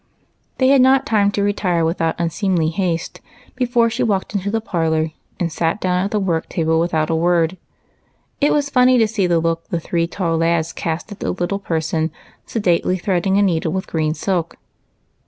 They had not time to retire, without unseemly haste, before she walked into the parlor and sat down at the w^ork table without a word. It was funny to see the look the three tall lads cast at the little person sedately threading a needle with green silk.